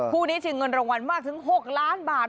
คู่นี้ชิงเงินรางวัลมากถึง๖ล้านบาท